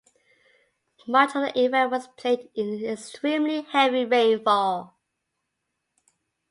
Much of the event was played in extremely heavy rainfall.